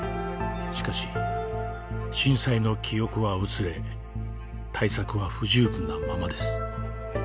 しかし震災の記憶は薄れ対策は不十分なままです。